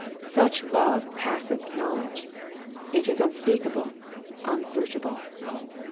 Such love passeth knowledge. It is unspeakable, unsearchable.